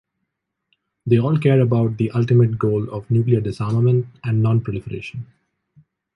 They all care about the ultimate goal of nuclear disarmament and non-proliferation.